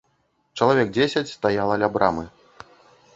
Чалавек дзесяць стаяла ля брамы.